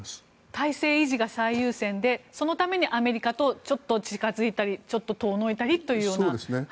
体制維持が最優先でそのためにアメリカとちょっと近付いたりちょっと遠のいたりというような。